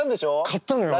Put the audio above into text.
買ったのよ